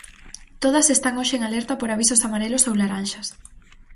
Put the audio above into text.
Todas están hoxe en alerta por avisos amarelos ou laranxas.